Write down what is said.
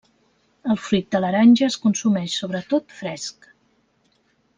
El fruit de l'aranja es consumeix sobretot fresc.